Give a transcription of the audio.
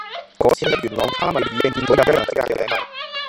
嗰次喺元朗卡米爾徑見到有雞蛋仔格仔餅賣